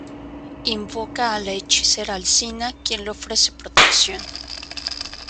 Invoca a la hechicera Alcina, quien le ofrece protección.